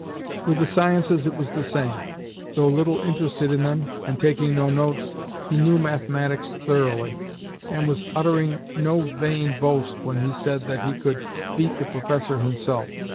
With the sciences it was the same. Though little interested in them, and taking no notes, he knew mathematics thoroughly, and was uttering no vain boast when he said that he could beat the professor himself.